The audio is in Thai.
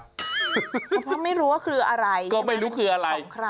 เพราะไม่รู้ว่าคืออะไรก็ไม่รู้คืออะไร